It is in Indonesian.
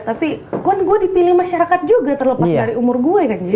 tapi kan gue dipilih masyarakat juga terlepas dari umur gue kan ya